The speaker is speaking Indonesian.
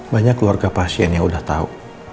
banyak keluarga pasien yang udah tau